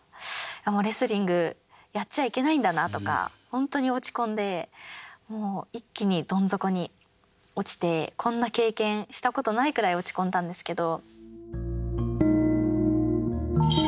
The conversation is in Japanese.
もうレスリングやっちゃいけないんだなとか本当に落ち込んでもう一気にどん底に落ちてこんな経験したことないくらい落ち込んだんですけど。